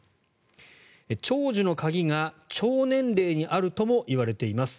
長寿の鍵が腸年齢にあるともいわれています。